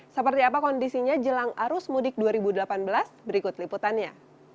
seperti apa kondisinya jelang arus mudik dua ribu delapan belas berikut liputannya